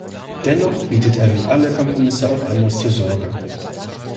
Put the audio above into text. Dennoch bietet er wie alle Kompromisse auch Anlass zur Sorge.